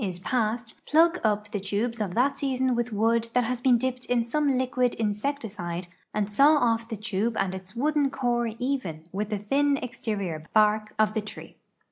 EOXE 87 is passed, "plug up" the tubes of that season with wood that has been dipped in some liquid insecticide and saw olVthe tu])e and its wooden core even with the thin exterior l)ark of tlie tree.